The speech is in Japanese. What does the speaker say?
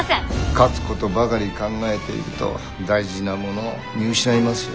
勝つことばかり考えていると大事なものを見失いますよ。